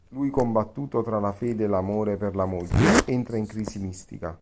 Lui, combattuto tra la fede e l'amore per la moglie, entra in crisi mistica.